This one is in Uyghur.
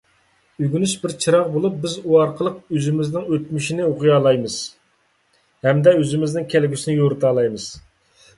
ئۆگىنىش بىر چىراغ بولۇپ، بىز ئۇ ئارقىلىق ئۆزىمىزنىڭ ئۆتمۈشىنى ئوقۇيالايمىز، ھەمدە ئۆزىمىزنىڭ كەلگۈسىنى يورۇتالايمىز.